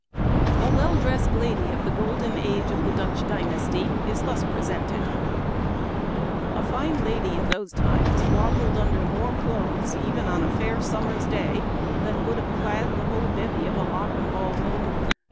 The well dressed lady of the golden age of the Dutch dynasty is thus presented :" A fine lady in those times waddled under more clothes, even on a fair summer's day, than 62 Memoir of Washington Irving. would have clad the whole bevy of a modern ball room.